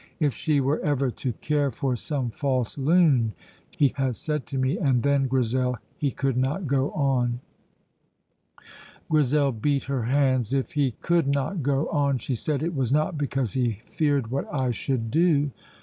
'If she were ever to care for some false loon!' he has said to me, and then, Grizel, he could not go on." Grizel beat her hands. "If he could not go on," she said, "it was not because he feared what I should do."